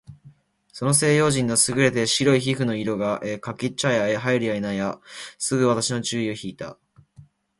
その西洋人の優れて白い皮膚の色が、掛茶屋へ入るや否いなや、すぐ私の注意を惹（ひ）いた。